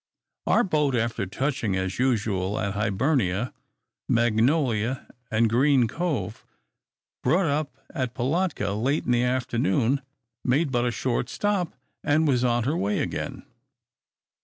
Our boat, after touching as usual at Hibernia, Magnolia, and Green Cove, brought up at Pilatka late in the afternoon, made but a short stop, and was on her way again.